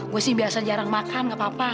gue sih biasa jarang makan gak apa apa